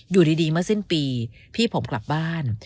อยู่ดีเมื่อสิ้นปีพี่ผมกลับบ้าน